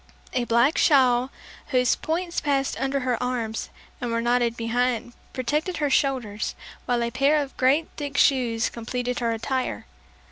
A black shawl whose points passed under her arms and were knotted behind, protected her shoulders, while a pair of great thick shoes completed her attire.